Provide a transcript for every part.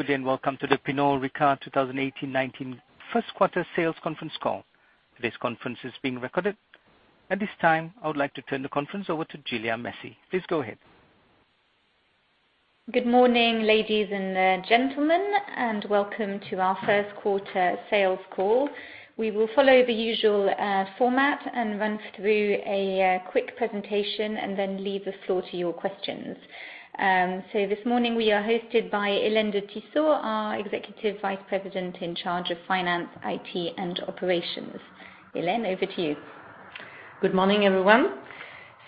Good day, welcome to the Pernod Ricard 2018-19 first quarter sales conference call. Today's conference is being recorded. At this time, I would like to turn the conference over to Julia Massies. Please go ahead. Good morning, ladies and gentlemen, welcome to our first quarter sales call. We will follow the usual format, run through a quick presentation, leave the floor to your questions. This morning we are hosted by Hélène de Tissot, our Executive Vice President in charge of finance, IT, and operations. Hélène, over to you. Good morning, everyone.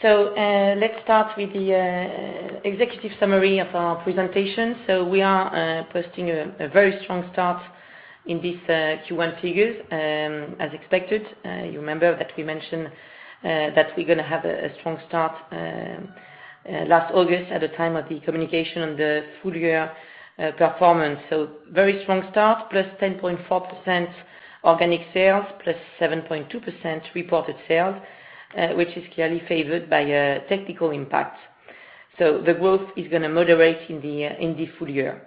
Let's start with the executive summary of our presentation. We are posting a very strong start in these Q1 figures, as expected. You remember that we mentioned that we're going to have a strong start last August at the time of the communication on the full-year performance. Very strong start, +10.4% organic sales, +7.2% reported sales, which is clearly favored by a technical impact. The growth is going to moderate in the full year.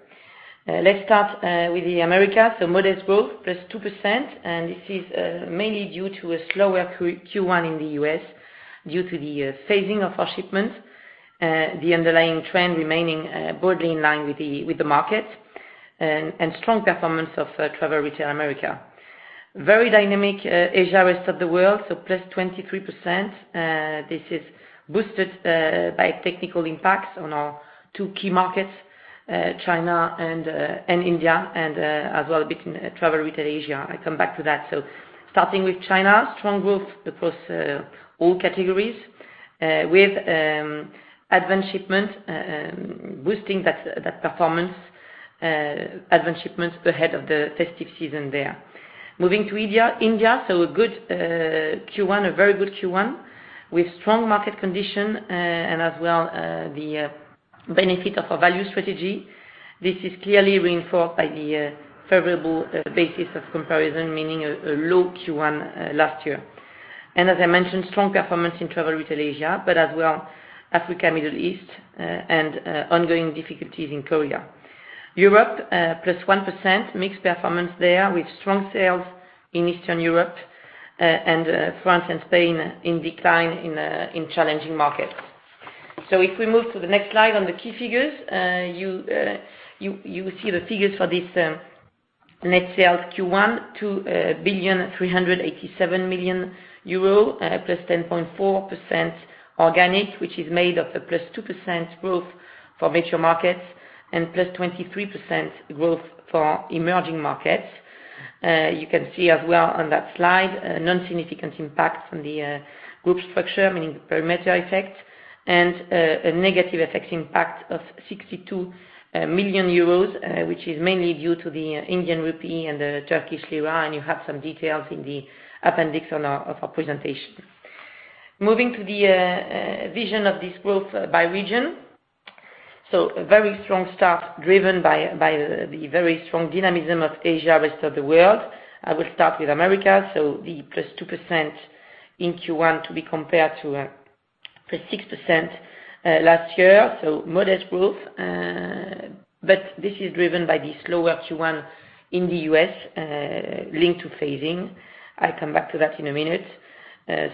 Let's start with the Americas. Modest growth, +2%, this is mainly due to a slower Q1 in the U.S. due to the phasing of our shipments. The underlying trend remaining broadly in line with the market, strong performance of Pernod Ricard Travel Retail Americas. Very dynamic Asia rest of the world, +23%. This is boosted by technical impacts on our two key markets, China and India as well, between Pernod Ricard Travel Retail Asia. I come back to that. Starting with China, strong growth across all categories, with advance shipment boosting that performance, advance shipments ahead of the festive season there. Moving to India. A very good Q1 with strong market condition as well, the benefit of our value strategy. This is clearly reinforced by the favorable basis of comparison, meaning a low Q1 last year. As I mentioned, strong performance in Pernod Ricard Travel Retail Asia, as well Africa, Middle East, and ongoing difficulties in Korea. Europe, +1%, mixed performance there with strong sales in Eastern Europe and France and Spain in decline in challenging markets. If we move to the next slide on the key figures, you will see the figures for this net sales Q1, 2 billion, 387 million, +10.4% organic, which is made of a +2% growth for mature markets and +23% growth for emerging markets. You can see as well on that slide, a non-significant impact from the group structure, meaning perimeter effect and a negative effect impact of 62 million euros, which is mainly due to the Indian rupee and the Turkish lira, and you have some details in the appendix of our presentation. Moving to the vision of this growth by region. A very strong start driven by the very strong dynamism of Asia rest of the world. I will start with America. The +2% in Q1 to be compared to a +6% last year. Modest growth. This is driven by the slower Q1 in the U.S., linked to phasing. I come back to that in a minute.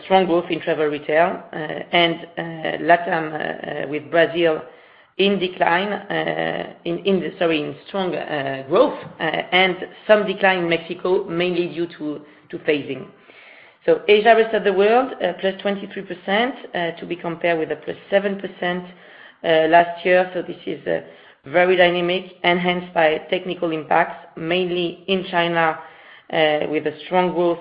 Strong growth in travel retail and LATAM with Brazil in strong growth and some decline in Mexico, mainly due to phasing. Asia rest of the world, +23% to be compared with a +7% last year. This is very dynamic, enhanced by technical impacts, mainly in China, with a strong growth,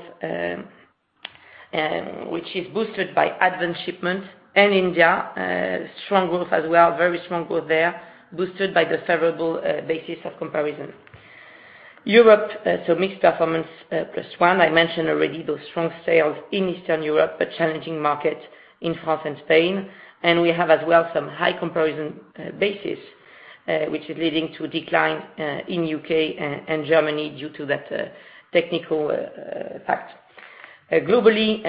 which is boosted by advance shipment and India, strong growth as well, very strong growth there, boosted by the favorable basis of comparison. Europe, mixed performance, +1. I mentioned already those strong sales in Eastern Europe, challenging market in France and Spain. We have as well some high comparison basis, which is leading to decline in U.K. and Germany due to that technical fact. Globally,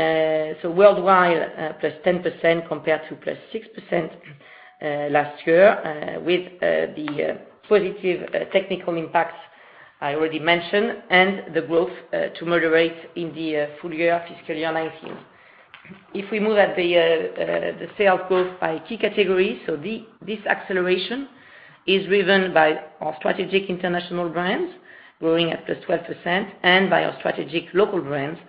worldwide, +10% compared to +6% last year with the positive technical impacts I already mentioned and the growth to moderate in the full year fiscal year 2019. If we move at the sales growth by key categories. This acceleration is driven by our strategic international brands growing at +12% and by our strategic local brands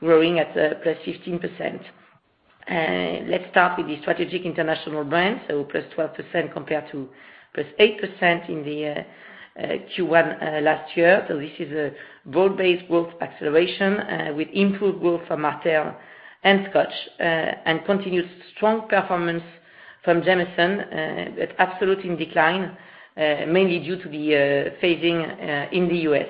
growing at +15%. Let's start with the strategic international brands. +12% compared to +8% in the Q1 last year. This is a broad-based growth acceleration with improved growth from Martell and Scotch, and continued strong performance from Jameson. But Absolut in decline, mainly due to the phasing in the U.S.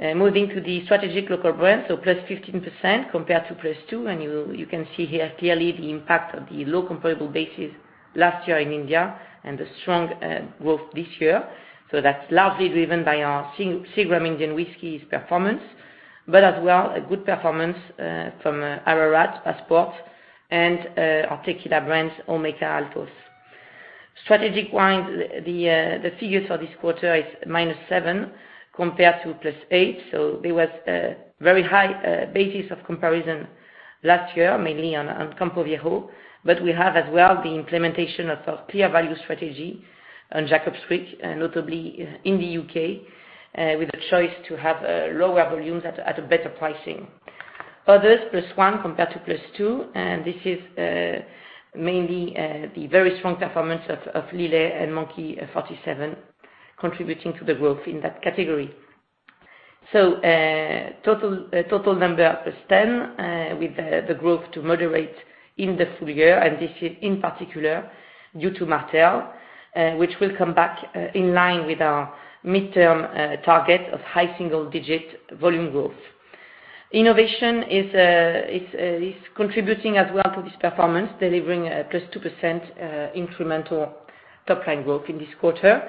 Moving to the strategic local brands. +15% compared to +2. You can see here clearly the impact of the low comparable bases last year in India and the strong growth this year. That's largely driven by our Seagram Indian whiskies performance. We have as well, a good performance from Ararat, Passport, and our Tequila brands, Olmeca, Altos. Strategic wines, the figures for this quarter is -7 compared to +8. There was a very high basis of comparison last year, mainly on Campo Viejo. We have as well, the implementation of our clear value strategy on Jacob's Creek, notably in the U.K., with a choice to have lower volumes at a better pricing. Others, +1 compared to +2, and this is mainly the very strong performance of Lillet and Monkey 47 contributing to the growth in that category. total number +10 with the growth to moderate in the full year, this is in particular due to Martell, which will come back in line with our midterm target of high single-digit volume growth. Innovation is contributing as well to this performance, delivering a +2% incremental top-line growth in this quarter.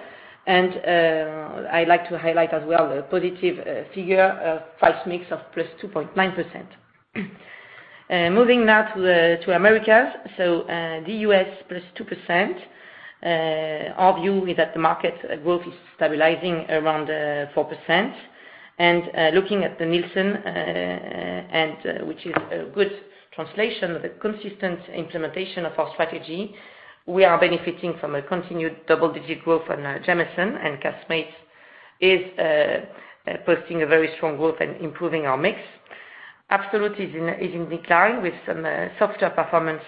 I'd like to highlight as well the positive figure of price mix of +2.9%. Moving now to Americas. The U.S., +2%. Our view is that the market growth is stabilizing around 4%. Looking at the Nielsen, which is a good translation of the consistent implementation of our strategy, we are benefiting from a continued double-digit growth on Jameson, and Casamigos is posting a very strong growth and improving our mix. Absolut is in decline with some softer performance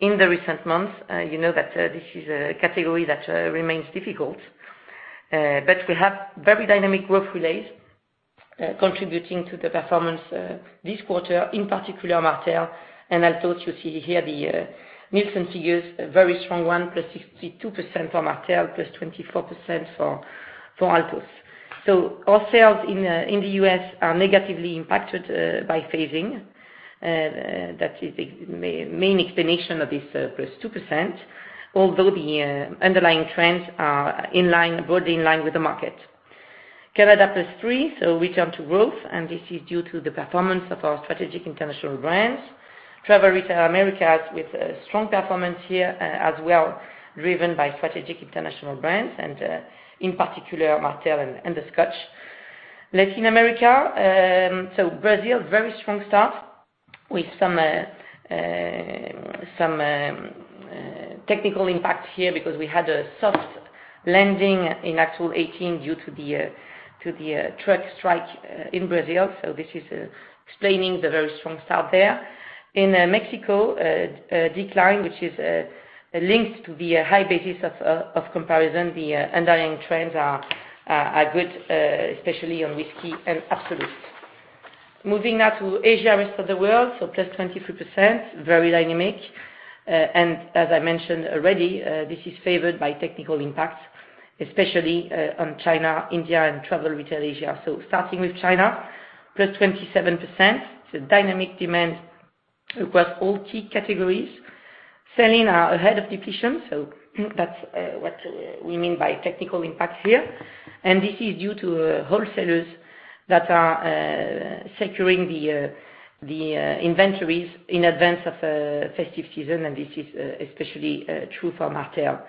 in the recent months. You know that this is a category that remains difficult. We have very dynamic growth relays contributing to the performance this quarter, in particular, Martell and Altos. You see here the Nielsen figures, a very strong one, +62% for Martell, +24% for Altos. Our sales in the U.S. are negatively impacted by phasing. That is the main explanation of this +2%, although the underlying trends are broadly in line with the market. Canada, +3, return to growth, this is due to the performance of our strategic international brands. Travel Retail Americas with a strong performance here as well, driven by strategic international brands and, in particular, Martell and the Scotch. Latin America. Brazil, very strong start with some technical impact here because we had a soft landing in actual 2018 due to the truck strike in Brazil, this is explaining the very strong start there. In Mexico, a decline which is linked to the high basis of comparison. The underlying trends are good, especially on whiskey and Absolut. Moving now to Asia, rest of the world. +23%, very dynamic. As I mentioned already, this is favored by technical impacts, especially on China, India, and Travel Retail Asia. Starting with China, +27%, dynamic demand across all key categories. Selling are ahead of depletion, that's what we mean by technical impact here. This is due to wholesalers that are securing the inventories in advance of festive season, and this is especially true for Martell.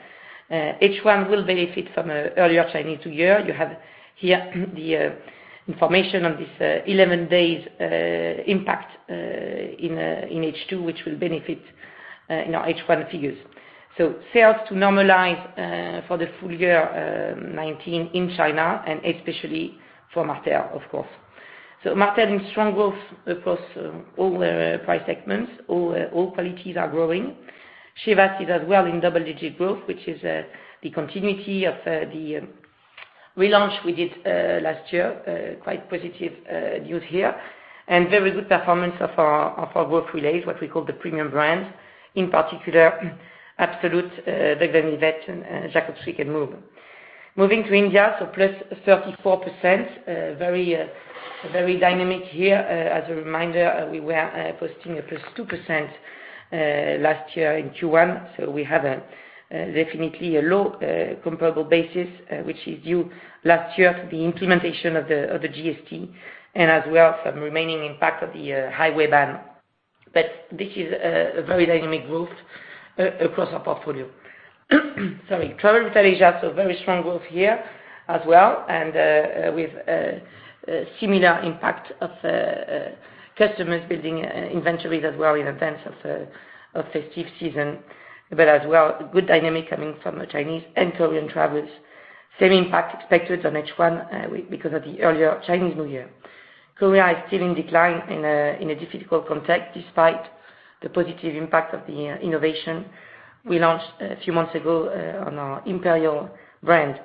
H1 will benefit from an earlier Chinese New Year. You have here the information on this 11 days impact in H2, which will benefit in our H1 figures. Sales to normalize for the full year 2019 in China and especially for Martell, of course. Martell in strong growth across all the price segments. All qualities are growing. Chivas is as well in double-digit growth, which is the continuity of the relaunch we did last year. Quite positive news here, very good performance of our growth relays, what we call the premium brands, in particular, Absolute, and Jacob's Creek and Möet. Moving to India, +34%. Very dynamic here. As a reminder, we were posting a +2% last year in Q1, we have definitely a low comparable basis, which is due last year to the implementation of the GST and as well some remaining impact of the highway ban. This is a very dynamic growth across our portfolio. Travel Retail Asia, very strong growth here as well and with a similar impact of customers building inventories as well in advance of festive season. As well, good dynamic coming from Chinese and Korean travelers. Same impact expected on H1 because of the earlier Chinese New Year. Korea is still in decline in a difficult context despite the positive impact of the innovation we launched a few months ago on our Imperial brand.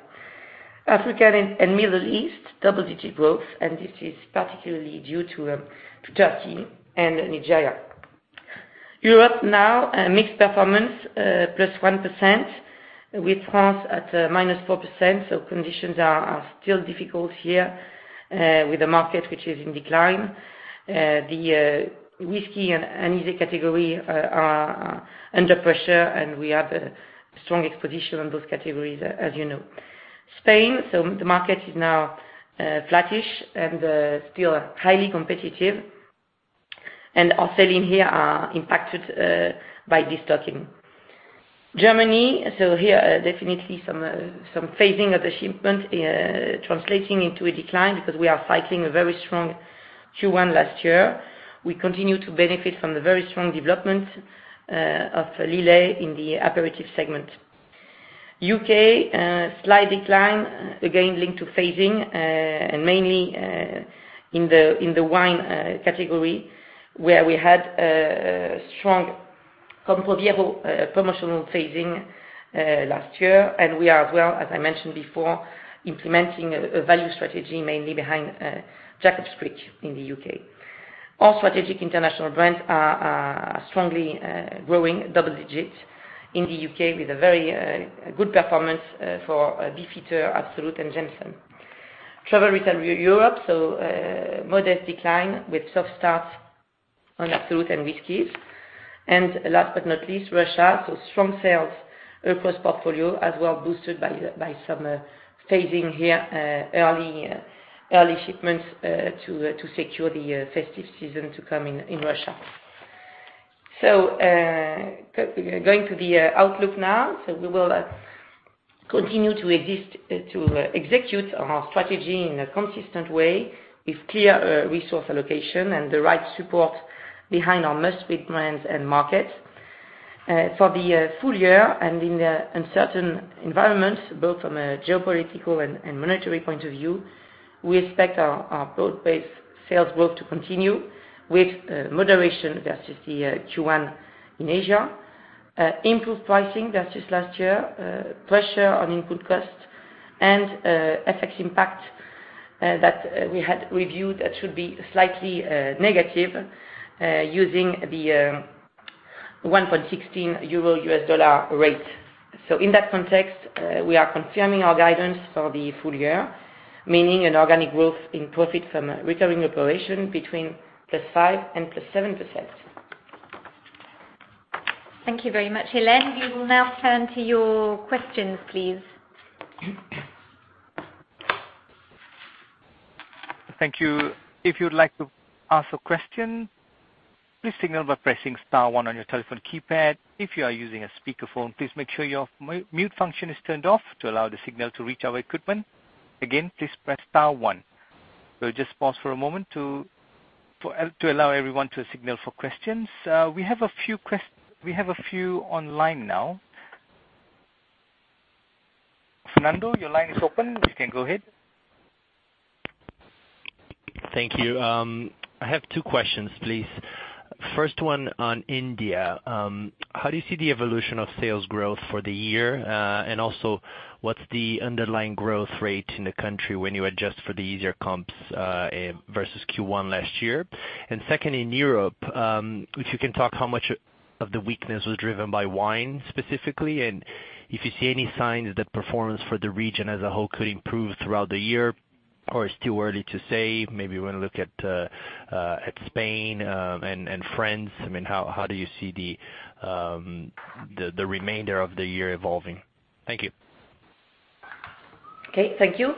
Africa and Middle East, double-digit growth, this is particularly due to Turkey and Nigeria. Europe now, a mixed performance, +1% with France at -4%, conditions are still difficult here with the market which is in decline. The whiskey and anise category are under pressure, we have a strong exposition on those categories, as you know. Spain, the market is now flattish and still highly competitive. Our selling here are impacted by destocking. Germany, here, definitely some phasing of the shipment translating into a decline because we are fighting a very strong Q1 last year. We continue to benefit from the very strong development of Lillet in the aperitif segment. U.K., a slight decline, again linked to phasing, mainly in the wine category, where we had a strong comparable promotional phasing last year. We are as well, as I mentioned before, implementing a value strategy mainly behind Jacob's Creek in the U.K. Our strategic international brands are strongly growing double digits in the U.K. with a very good performance for Beefeater, Absolut and Jameson. Travel retail Europe, a modest decline with a soft start on Absolut and whiskeys. Last but not least, Russia. Strong sales across the portfolio as well boosted by some phasing here, early shipments to secure the festive season to come in Russia. Going to the outlook now. We will continue to execute on our strategy in a consistent way with clear resource allocation and the right support behind our must-fit brands and markets. For the full year and in the uncertain environment, both from a geopolitical and monetary point of view, we expect our broad-based sales growth to continue with moderation versus the Q1 in Asia, improved pricing versus last year, pressure on input costs, and FX impact that we had reviewed that should be slightly negative, using the 1.16 EUR/USD rate. In that context, we are confirming our guidance for the full year, meaning an organic growth in Profit from Recurring Operations between +5% and +7%. Thank you very much, Hélène. We will now turn to your questions, please. Thank you. If you would like to ask a question, please signal by pressing star one on your telephone keypad. If you are using a speakerphone, please make sure your mute function is turned off to allow the signal to reach our equipment. Again, please press star one. We'll just pause for a moment to allow everyone to signal for questions. We have a few online now. Fernando, your line is open. You can go ahead. Thank you. I have two questions, please. First one on India. How do you see the evolution of sales growth for the year? Also, what's the underlying growth rate in the country when you adjust for the easier comps versus Q1 last year? Second, in Europe, if you can talk how much of the weakness was driven by wine specifically, and if you see any signs that performance for the region as a whole could improve throughout the year, or it's too early to say, maybe we're going to look at Spain and France. How do you see the remainder of the year evolving? Thank you. Okay, thank you.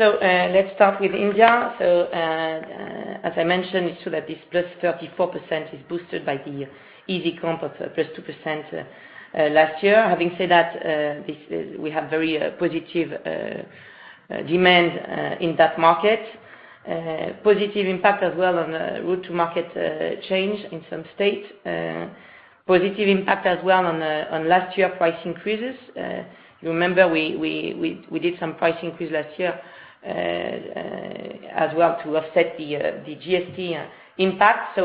Let's start with India. As I mentioned, it's true that this +34% is boosted by the easy comp of +2% last year. Having said that, we have very positive demand in that market. Positive impact as well on route to market change in some states. Positive impact as well on last year price increases. You remember we did some price increase last year as well to offset the GST impact.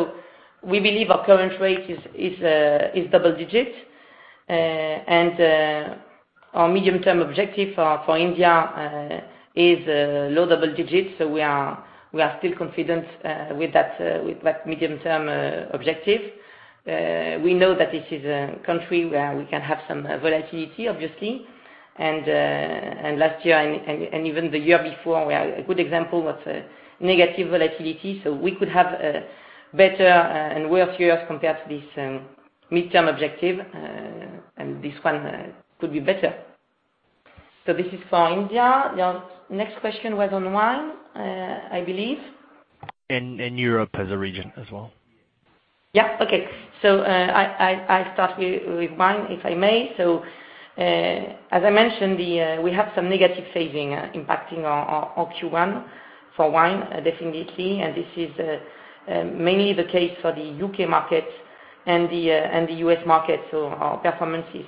We believe our current rate is double digits. Our medium-term objective for India is low double digits. We are still confident with that medium-term objective. We know that this is a country where we can have some volatility, obviously. Last year and even the year before, a good example was negative volatility. We could have better and worse years compared to this medium-term objective. This one could be better. This is for India. Your next question was on wine, I believe. Europe as a region as well. Yeah. Okay. I start with wine, if I may. As I mentioned, we have some negative phasing impacting our Q1 for wine, definitely. This is mainly the case for the U.K. market and the U.S. market. Our performance is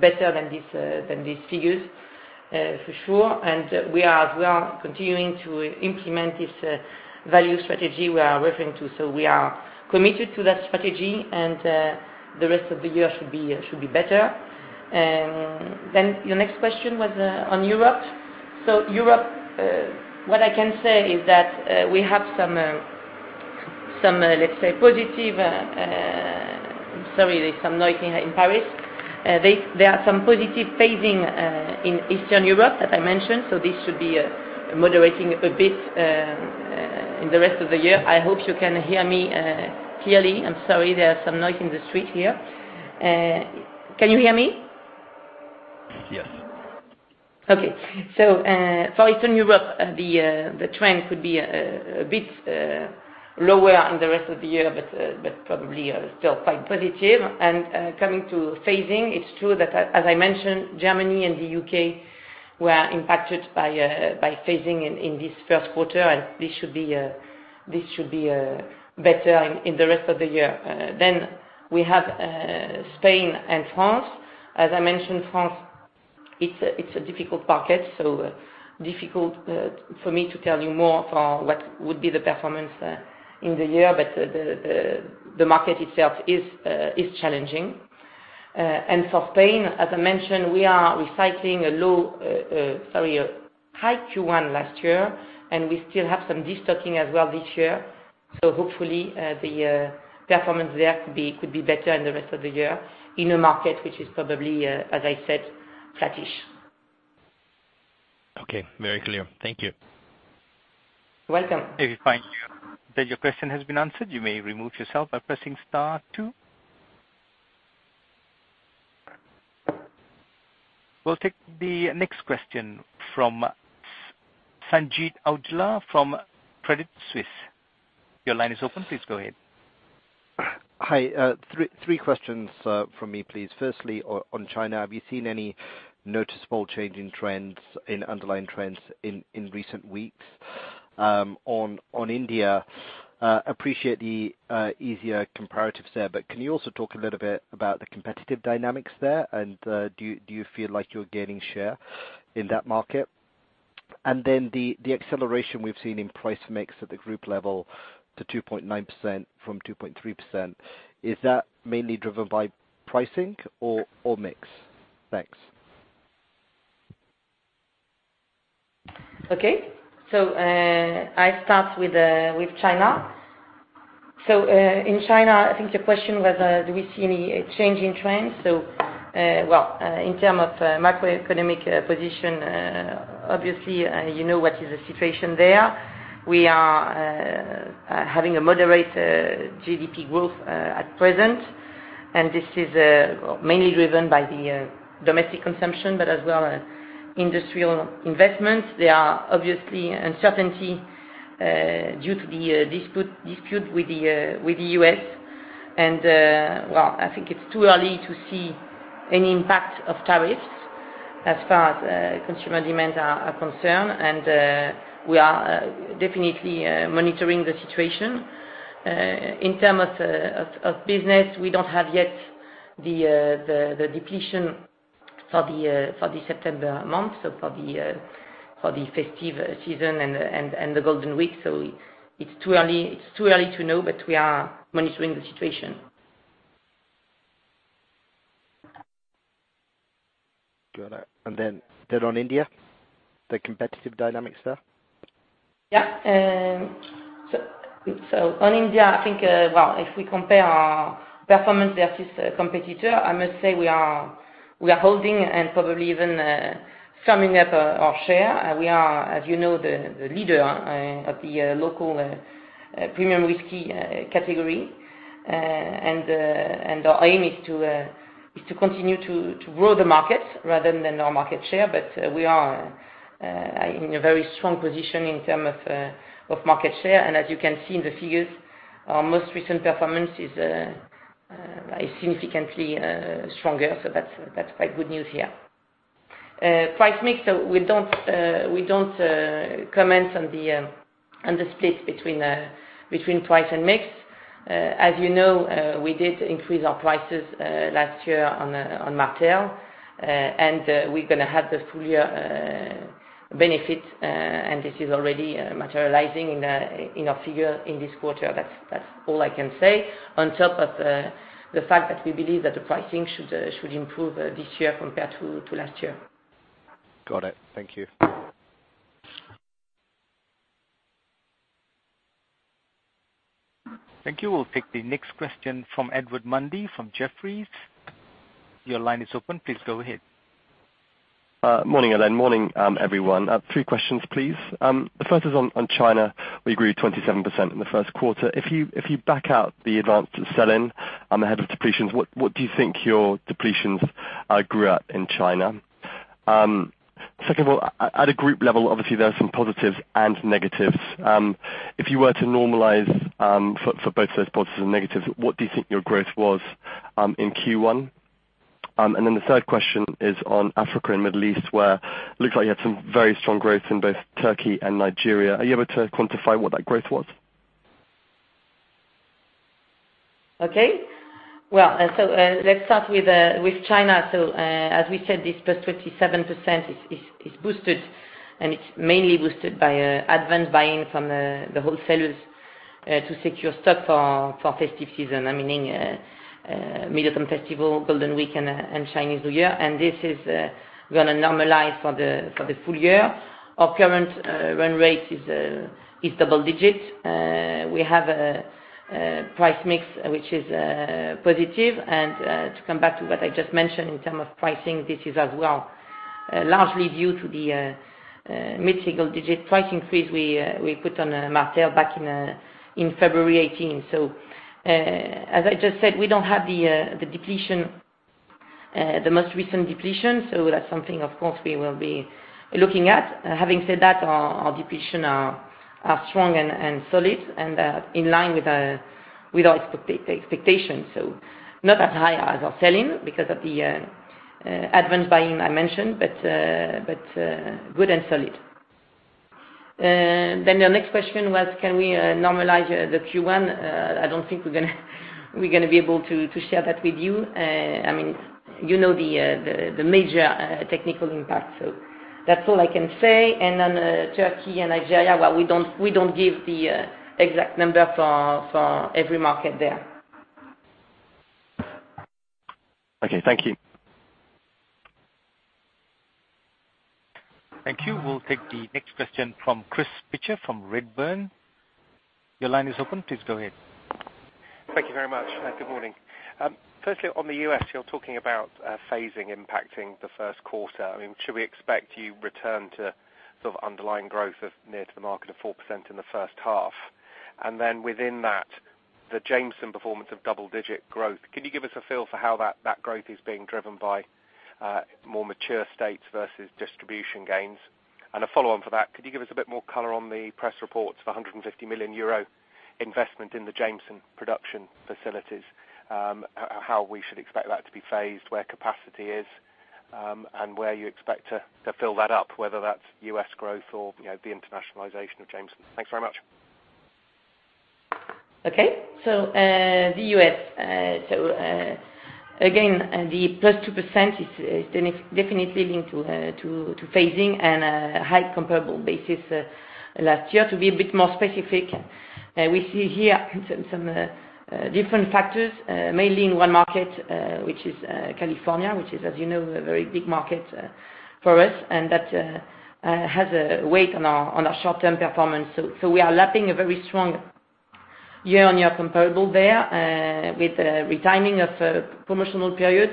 better than these figures, for sure. We are continuing to implement this value strategy we are referring to. We are committed to that strategy and the rest of the year should be better. Your next question was on Europe. Europe, what I can say is that we have some positive phasing in Eastern Europe, as I mentioned, this should be moderating a bit in the rest of the year. I hope you can hear me clearly. I'm sorry, there are some noise in the street here. Can you hear me? Yes. Okay. For Eastern Europe, the trend could be a bit lower in the rest of the year, but probably still quite positive. Coming to phasing, it's true that, as I mentioned, Germany and the U.K. were impacted by phasing in this first quarter, this should be better in the rest of the year. We have Spain and France. As I mentioned, France, it's a difficult market, difficult for me to tell you more for what would be the performance in the year. The market itself is challenging. For Spain, as I mentioned, we are recycling a high Q1 last year, we still have some destocking as well this year. Hopefully, the performance there could be better in the rest of the year in a market which is probably, as I said, flattish. Okay, very clear. Thank you. You're welcome. If you find that your question has been answered, you may remove yourself by pressing star two. We'll take the next question from Sanjeet Aujla from Credit Suisse. Your line is open. Please go ahead. Hi. three questions from me, please. Firstly, on China, have you seen any noticeable change in underlying trends in recent weeks? On India, appreciate the easier comparatives there, but can you also talk a little bit about the competitive dynamics there? Do you feel like you're gaining share in that market? The acceleration we've seen in price mix at the group level to 2.9% from 2.3%, is that mainly driven by pricing or mix? Thanks. Okay. I start with China. In China, I think your question was, do we see any change in trends? Well, in terms of macroeconomic position, obviously, you know what is the situation there. We are having a moderate GDP growth at present, and this is mainly driven by the domestic consumption, but as well as industrial investments. There are obviously uncertainty due to the dispute with the U.S., and, well, I think it's too early to see any impact of tariffs as far as consumer demands are concerned. We are definitely monitoring the situation. In terms of business, we don't have yet the depletion for the September month, so for the festive season and the Golden Week. It's too early to know, but we are monitoring the situation. Got it. On India, the competitive dynamics there? Yeah. On India, I think, well, if we compare our performance versus competitor, I must say we are holding and probably even summing up our share. We are, as you know, the leader of the local premium whisky category. Our aim is to continue to grow the market rather than our market share. We are in a very strong position in terms of market share. As you can see in the figures, our most recent performance is significantly stronger. That's quite good news here. Price mix, we don't comment on the split between price and mix. As you know, we did increase our prices last year on Martell, and we're going to have the full year benefit, and this is already materializing in our figure in this quarter. That's all I can say, on top of the fact that we believe that the pricing should improve this year compared to last year. Got it. Thank you. Thank you. We'll take the next question from Edward Mundy from Jefferies. Your line is open. Please go ahead. Morning, Hélène. Morning, everyone. Three questions, please. The first is on China. We agree with 27% in the first quarter. If you back out the advanced sell-in ahead of depletions, what do you think your depletions are grew at in China? Second of all, at a group level, obviously, there are some positives and negatives. If you were to normalize for both those positives and negatives, what do you think your growth was in Q1? The third question is on Africa and Middle East, where looks like you had some very strong growth in both Turkey and Nigeria. Are you able to quantify what that growth was? Okay. Well, let's start with China. As we said, this +27% is boosted, and it's mainly boosted by advanced buying from the wholesalers to secure stock for festive season, I mean Mid-Autumn Festival, Golden Week, and Chinese New Year. This is going to normalize for the full year. Our current run rate is double digit. We have a price mix which is positive. To come back to what I just mentioned in term of pricing, this is as well largely due to the mid-single-digit price increase we put on Martell back in February 2018. As I just said, we don't have the most recent depletion. That's something, of course, we will be looking at. Having said that, our depletion are strong and solid and in line with our expectations. Not as high as our selling because of the advance buying I mentioned, but good and solid. Your next question was, can we normalize the Q1? I don't think we're going to be able to share that with you. You know the major technical impact. That's all I can say. On Turkey and Nigeria, we don't give the exact number for every market there. Okay. Thank you. Thank you. We'll take the next question from Chris Pitcher from Redburn. Your line is open. Please go ahead. Thank you very much. Good morning. Firstly, on the U.S., you're talking about phasing impacting the first quarter. Should we expect you return to sort of underlying growth of near to the market of 4% in the first half? Within that, the Jameson performance of double-digit growth, can you give us a feel for how that growth is being driven by more mature states versus distribution gains? A follow-on for that, could you give us a bit more color on the press reports of 150 million euro investment in the Jameson production facilities? How we should expect that to be phased, where capacity is, and where you expect to fill that up, whether that's U.S. growth or the internationalization of Jameson. Thanks very much. Okay. The U.S. Again, the +2% is definitely linked to phasing and a high comparable basis last year. To be a bit more specific, we see here some different factors, mainly in one market, which is California, which is, as you know, a very big market for us and that has a weight on our short-term performance. We are lapping a very strong year-on-year comparable there, with retiming of promotional periods.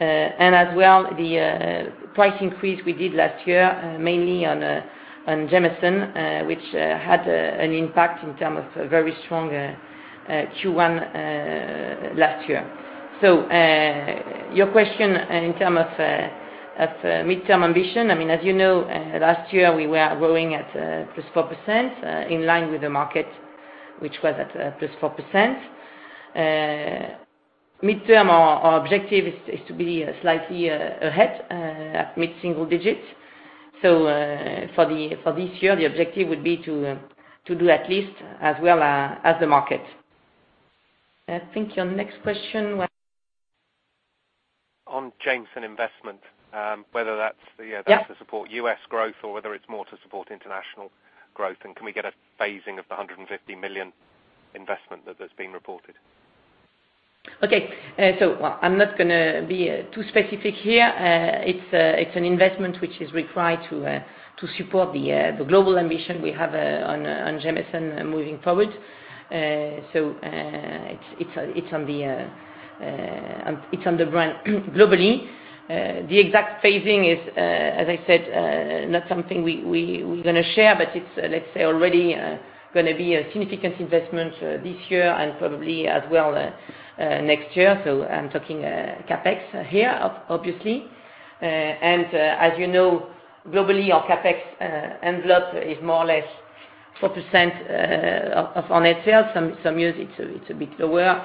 As well, the price increase we did last year, mainly on Jameson, which had an impact in terms of a very strong Q1 last year. Your question in terms of midterm ambition, as you know, last year we were growing at +4%, in line with the market which was at +4%. Midterm, our objective is to be slightly ahead at mid-single digits. For this year, the objective would be to do at least as well as the market. I think your next question was- On Jameson investment, whether that's- Yeah to support U.S. growth or whether it's more to support international growth. Can we get a phasing of the 150 million investment that has been reported? Okay. I'm not going to be too specific here. It's an investment which is required to support the global ambition we have on Jameson moving forward. It's on the ground globally. The exact phasing is, as I said, not something we going to share, but it's, let's say, already going to be a significant investment this year and probably as well next year. I'm talking CapEx here, obviously. As you know, globally, our CapEx envelope is more or less 4% of on sales. Some years it's a bit lower.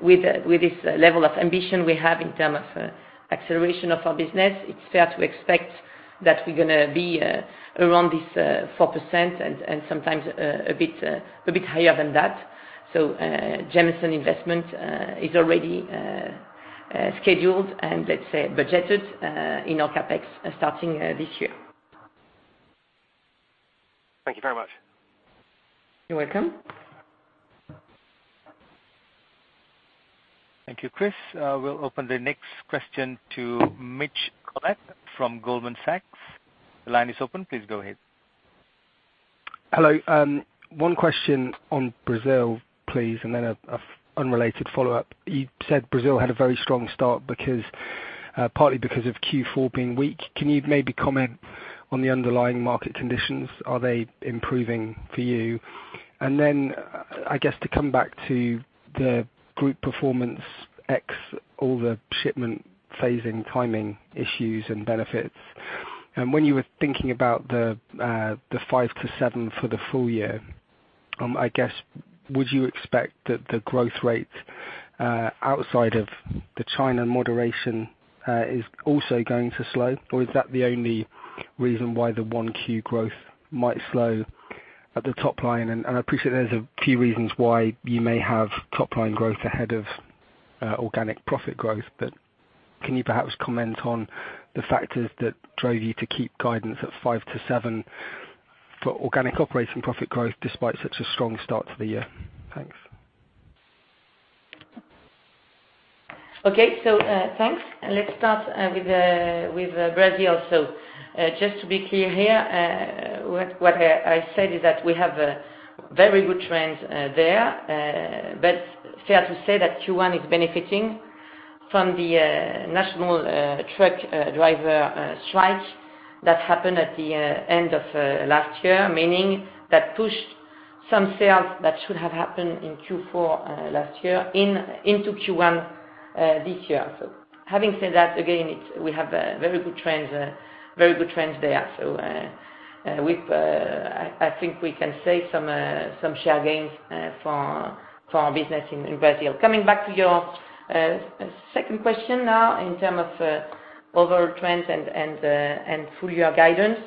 With this level of ambition we have in term of acceleration of our business, it's fair to expect that we're going to be around this 4% and sometimes a bit higher than that. Jameson investment is already scheduled and let's say budgeted in our CapEx starting this year. Thank you very much. You're welcome. Thank you, Chris. We'll open the next question to Mitchell Collett from Goldman Sachs. The line is open. Please go ahead. Hello. One question on Brazil, please, then an unrelated follow-up. You said Brazil had a very strong start partly because of Q4 being weak. Can you maybe comment on the underlying market conditions? Are they improving for you? I guess to come back to the group performance X all the shipment phasing timing issues and benefits. When you were thinking about the 5%-7% for the full year, I guess, would you expect that the growth rate outside of the China moderation is also going to slow? Is that the only reason why the 1Q growth might slow at the top line? I appreciate there's a few reasons why you may have top-line growth ahead of organic profit growth. Can you perhaps comment on the factors that drove you to keep guidance at 5%-7% for organic operating profit growth despite such a strong start to the year? Thanks. Thanks. Let's start with Brazil. Just to be clear here, what I said is that we have very good trends there. Fair to say that Q1 is benefiting from the national truck driver strike that happened at the end of last year, meaning that pushed some sales that should have happened in Q4 last year into Q1 this year. Having said that, again, we have very good trends there. I think we can save some share gains for our business in Brazil. Coming back to your second question now in terms of overall trends and full-year guidance.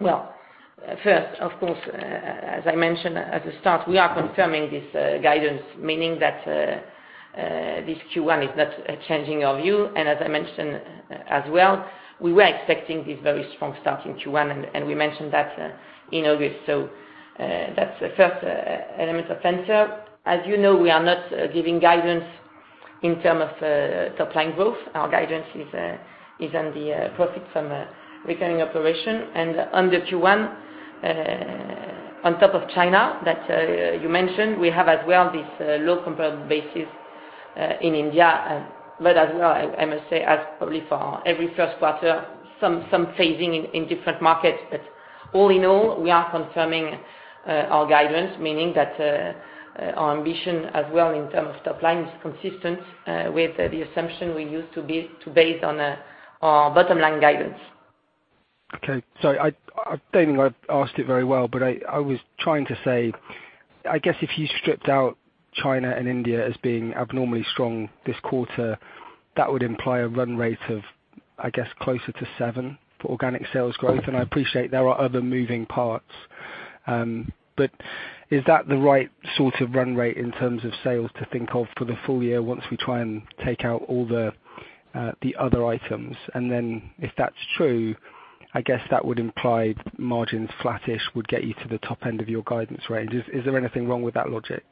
We are confirming this guidance, meaning that this Q1 is not changing our view. As I mentioned as well, we were expecting this very strong start in Q1, and we mentioned that in August. That's the first element of answer. As you know, we are not giving guidance in terms of top-line growth. Our guidance is on the Profit from Recurring Operations. On the Q1, on top of China that you mentioned, we have as well this low comparable basis in India. As well, I must say, as probably for every first quarter, some phasing in different markets. All in all, we are confirming our guidance, meaning that our ambition as well in terms of top line is consistent with the assumption we used to base on our bottom-line guidance. Okay. Sorry, I don't think I've asked it very well, but I was trying to say, I guess if you stripped out China and India as being abnormally strong this quarter, that would imply a run rate of, I guess, closer to 7% for organic sales growth. I appreciate there are other moving parts. Is that the right sort of run rate in terms of sales to think of for the full year once we try and take out all the other items? If that's true, I guess that would imply margins flattish would get you to the top end of your guidance range. Is there anything wrong with that logic?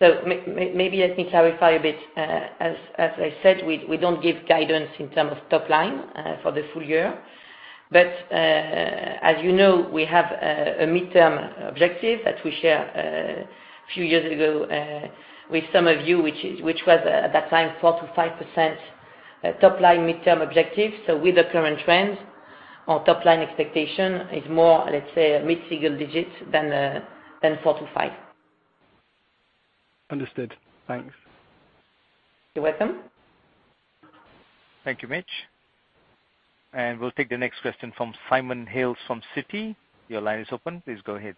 Maybe let me clarify a bit. As I said, we don't give guidance in terms of top line for the full year. As you know, we have a midterm objective that we share a few years ago with some of you, which was at that time, 4%-5% top line midterm objective. With the current trend, our top-line expectation is more, let's say, mid-single digits than 4%-5%. Understood. Thanks. You're welcome. Thank you, Mitch. We'll take the next question from Simon Hales from Citi. Your line is open. Please go ahead.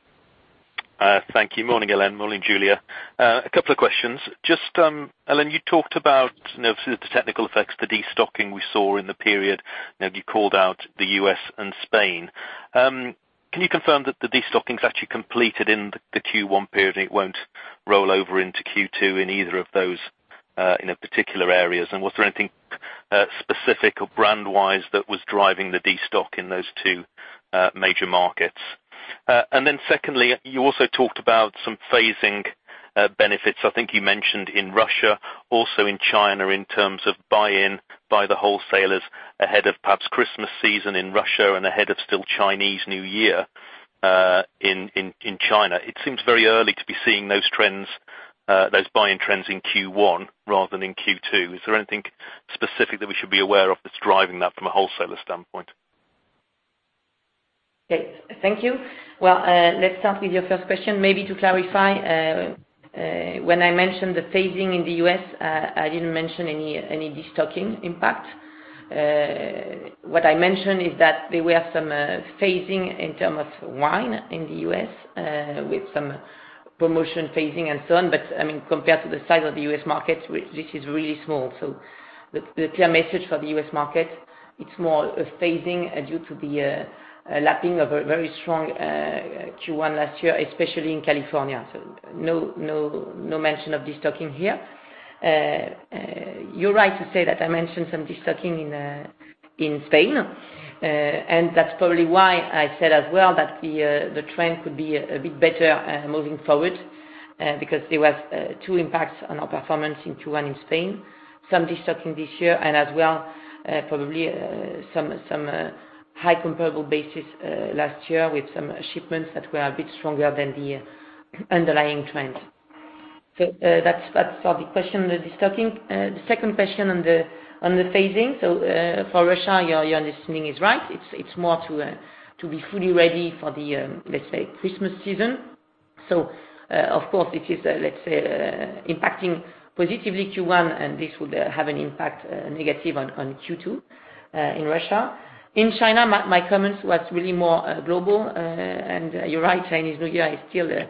Thank you. Morning, Helene. Morning, Julia. A couple of questions. Helene, you talked about the technical effects, the destocking we saw in the period. You called out the U.S. and Spain. Can you confirm that the destocking is actually completed in the Q1 period and it won't roll over into Q2 in either of those particular areas? Was there anything specific or brand wise that was driving the destock in those two major markets? Secondly, you also talked about some phasing benefits. I think you mentioned in Russia, also in China, in terms of buy-in by the wholesalers ahead of perhaps Christmas season in Russia and ahead of still Chinese New Year in China. It seems very early to be seeing those buy-in trends in Q1 rather than in Q2. Is there anything specific that we should be aware of that's driving that from a wholesaler standpoint? Okay. Thank you. Let's start with your first question, maybe to clarify. When I mentioned the phasing in the U.S., I didn't mention any destocking impact. What I mentioned is that there were some phasing in terms of wine in the U.S., with some promotion phasing and so on. Compared to the size of the U.S. market, this is really small. The clear message for the U.S. market, it's more a phasing due to the lapping of a very strong Q1 last year, especially in California. No mention of destocking here. You're right to say that I mentioned some destocking in Spain. That's probably why I said as well that the trend could be a bit better moving forward because there was two impacts on our performance in Q1 in Spain. Some destocking this year. As well, probably some high comparable basis last year with some shipments that were a bit stronger than the underlying trend. That's for the question of destocking. The second question on the phasing. For Russia, your listening is right. It's more to be fully ready for the, let's say, Christmas season. Of course it is, let's say, impacting positively Q1, and this would have an impact negative on Q2 in Russia. In China, my comments was really more global. You're right, Chinese New Year is still in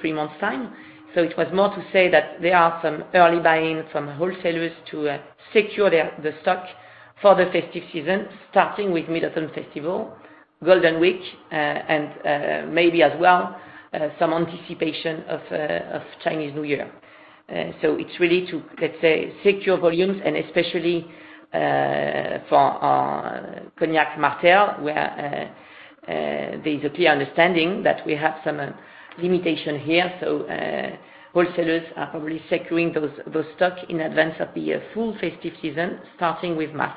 three months' time. It was more to say that there are some early buying from wholesalers to secure the stock for the festive season, starting with Mid-Autumn Festival, Golden Week, and maybe as well, some anticipation of Chinese New Year. It's really to, let's say, secure volumes and especially for our cognac Martell, where there's a clear understanding that we have some limitation here. Wholesalers are probably securing those stock in advance of the full festive season, starting with March.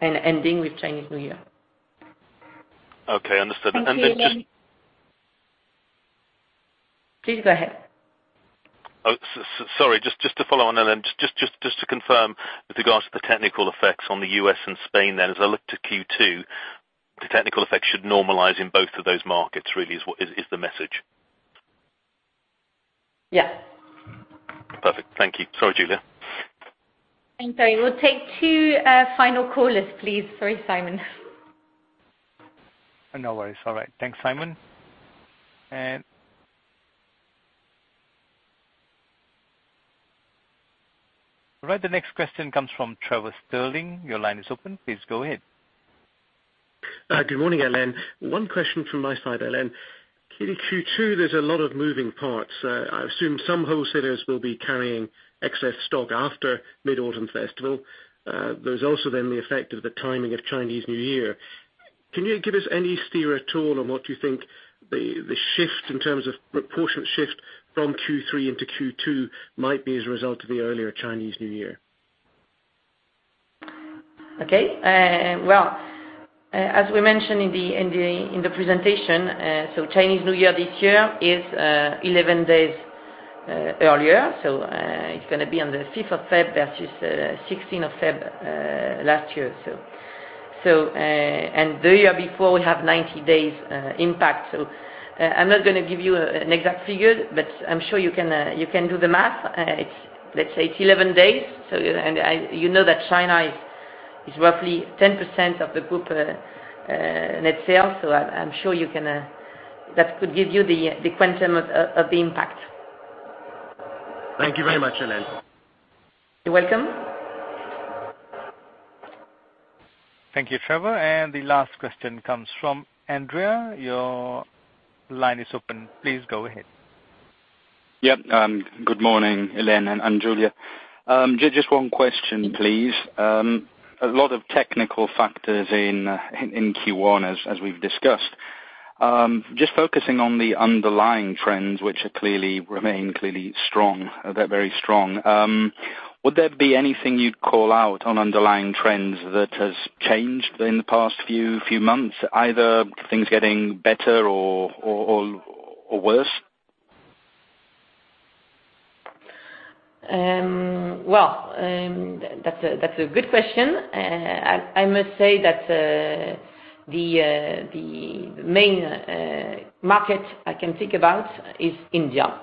Ending with Chinese New Year. Okay, understood. Thank you, Hélène. Please go ahead. Oh, sorry. Just to follow on, Hélène, just to confirm with regards to the technical effects on the U.S. and Spain, as I look to Q2, the technical effects should normalize in both of those markets really is the message? Yes. Perfect. Thank you. Sorry, Julia. I'm sorry. We'll take two final callers, please. Sorry, Simon. No worries. All right. Thanks, Simon. All right, the next question comes from Trevor Stirling. Your line is open. Please go ahead. Good morning, Helene. One question from my side, Helene. Clearly, Q2, there's a lot of moving parts. I assume some wholesalers will be carrying excess stock after Mid-Autumn Festival. There's also the effect of the timing of Chinese New Year. Can you give us any steer at all on what you think the shift in terms of proportionate shift from Q3 into Q2 might be as a result of the earlier Chinese New Year? Okay. Well, as we mentioned in the presentation, Chinese New Year this year is 11 days earlier. It's going to be on the 5th of Feb versus 16th of Feb last year. The year before we have 90 days impact. I'm not going to give you an exact figure, but I'm sure you can do the math. Let's say it's 11 days. You know that China is roughly 10% of the group net sales, I'm sure that could give you the quantum of the impact. Thank you very much, Helene. You're welcome. Thank you, Trevor. The last question comes from Andrea. Your line is open. Please go ahead. Good morning, Hélène and Julia. Just one question, please. A lot of technical factors in Q1 as we've discussed. Just focusing on the underlying trends, which clearly remain clearly strong, very strong. Would there be anything you'd call out on underlying trends that has changed in the past few months, either things getting better or worse? That's a good question. I must say that the main market I can think about is India,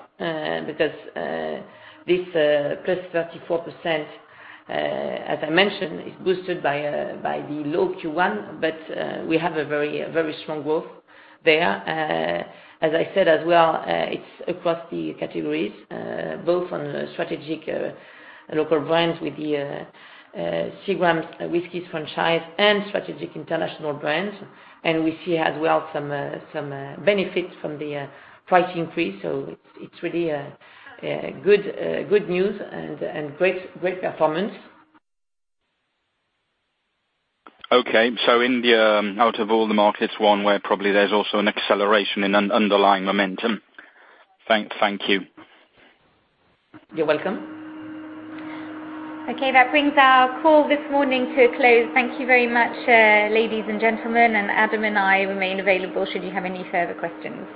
because this +34%, as I mentioned, is boosted by the low Q1. We have a very strong growth there. As I said as well, it's across the categories, both on strategic local brands with the Seagram's whiskey franchise and strategic international brands. We see as well some benefits from the price increase. It's really good news and great performance. Okay. India, out of all the markets, one where probably there's also an acceleration in underlying momentum. Thank you. You're welcome. Okay. That brings our call this morning to a close. Thank you very much, ladies and gentlemen, and Adam and I remain available should you have any further questions.